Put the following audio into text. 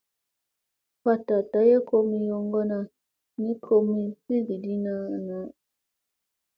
Faɗta day ay komi yoŋgona nikki komi fiɗigina.